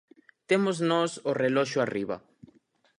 Temos nós o reloxo arriba.